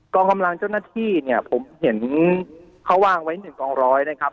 กองกำลังเจ้าหน้าที่เนี่ยผมเห็นเขาวางไว้๑กอง๑๐๐เนี่ยครับ